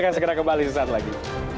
akan segera kembali sesaat lagi